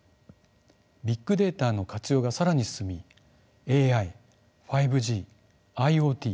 ビッグデータの活用が更に進みＡＩ５ＧＩＯＴ